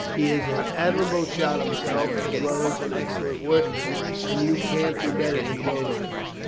He is an admirable shot himself as well as an excellent workman, and you can't do better than go to him.